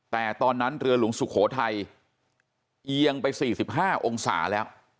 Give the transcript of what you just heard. แต่ตอนนั้นเรือหลวงสุโขทัยเอียงไป๔๕องศาแล้ว